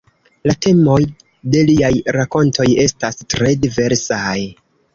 La temoj de liaj rakontoj estas tre diversaj.